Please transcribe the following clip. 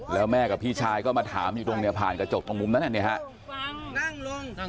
แล้วแม่กับพี่ชายก็มาถามอยู่ตรงเนี่ยผ่านกระจกตรงมุมนั้นเนี่ยฮะ